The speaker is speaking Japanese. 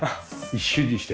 一瞬にして。